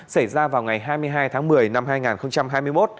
xảy ra vào ngày hai mươi hai tháng một mươi năm hai nghìn hai mươi một